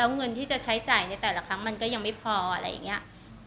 เงินที่จะใช้จ่ายในแต่ละครั้งมันก็ยังไม่พออะไรอย่างนี้